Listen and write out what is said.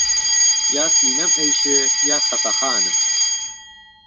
یا سینهم ئهیشێ، یا خهفهخانه